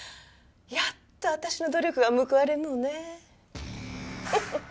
やっと私の努力が報われるのね。